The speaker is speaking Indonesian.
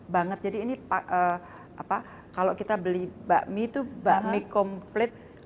banget jadi ini kalau kita beli bakmi itu bakmi komplit